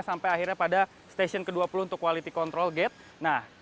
sampai akhirnya pada stasiun ke dua puluh untuk quality control gate